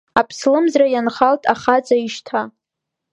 Аԥслымӡра ианхалт ахаҵа ишьҭа.